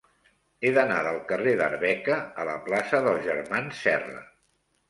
He d'anar del carrer d'Arbeca a la plaça dels Germans Serra.